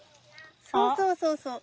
そうそうそうそう。